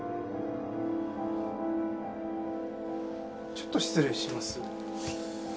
ちょっと失礼します。